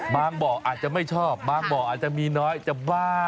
บ่ออาจจะไม่ชอบบางบ่ออาจจะมีน้อยจะบ้า